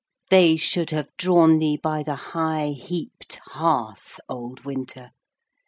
They should have drawn thee by the high heapt hearth, Old Winter!